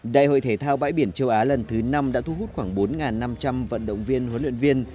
đại hội thể thao bãi biển châu á lần thứ năm đã thu hút khoảng bốn năm trăm linh vận động viên huấn luyện viên